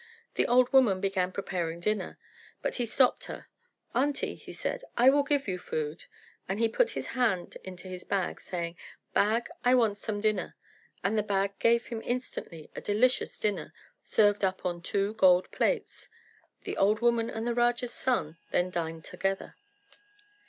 The old woman began preparing dinner, but he stopped her, "Aunty," he said, "I will give you food." He put his hand into his bag, saying, "Bag, I want some dinner," and the bag gave him instantly a delicious dinner, served up on two gold plates. The old woman and the Raja's son then dined together.